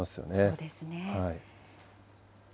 そうですね。